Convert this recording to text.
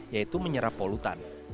yaitu menyerap polutan